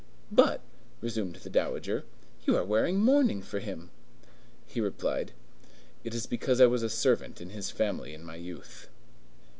"But," resumed the dowager, "you are wearing mourning for him." He replied, "It is because I was a servant in his family in my youth."